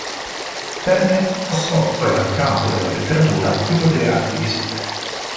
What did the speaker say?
Il termine passò poi dal campo della letteratura a quello delle arti visive.